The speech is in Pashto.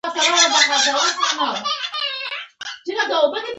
د برېښنا هادي جسمونه لکه فلزات دي.